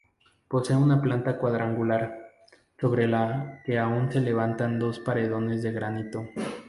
Posee una planta cuadrangular, sobre la que aún se levantan dos paredones de granito.